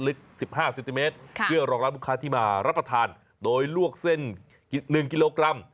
ลึก๑๕เซนติเมตรเพื่อรองรับลูกค้าที่มารับประทานโดยลวกเส้น๑กิโลกรัม